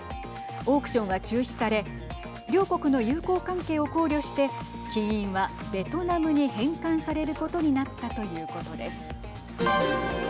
オークションは中止され両国の友好関係を考慮して金印はベトナムに返還されることになったということです。